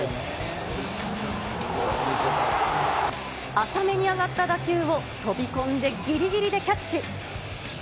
浅めに上がった打球を飛び込んでぎりぎりでキャッチ。